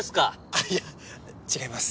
あっいや違います。